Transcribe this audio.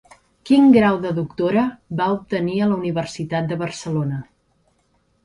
Quin grau de doctora va obtenir a la Universitat de Barcelona?